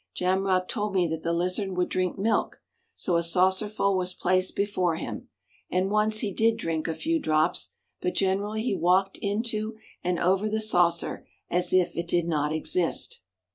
Jamrach told me that the lizard would drink milk, so a saucerful was placed before him, and once he did drink a few drops, but generally he walked into and over the saucer as if it did not exist.